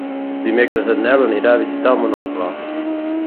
Dimecres en Nel anirà a visitar mon oncle.